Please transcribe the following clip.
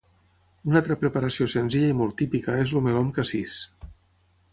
Una altra preparació senzilla i molt típica és el meló amb cassís.